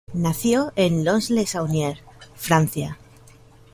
Nació en Lons-le-Saunier, Francia.